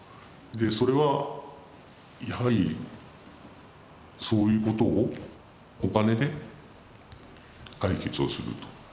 それはやはりそういうことをお金で解決をすると。